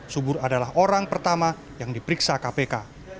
subur adalah orang pertama yang diperiksa kpk